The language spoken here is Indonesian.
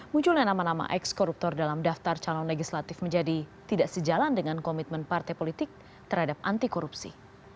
munculnya nama nama ex koruptor dalam daftar calon legislatif menjadi tidak sejalan dengan komitmen partai politik terhadap anti korupsi